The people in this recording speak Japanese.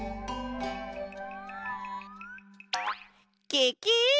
ケケ！